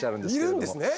いるんですね。